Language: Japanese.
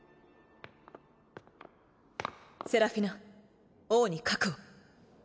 セラフィナ王に核を。